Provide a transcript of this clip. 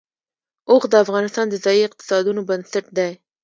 اوښ د افغانستان د ځایي اقتصادونو بنسټ دی.